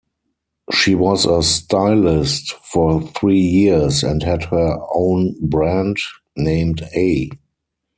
She was a stylist for three years and had her own brand, named A.